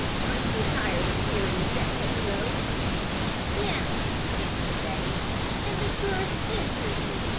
Aren't you tired carrying that heavy load?" "Yes," answered Betty, "and the girth pinches me.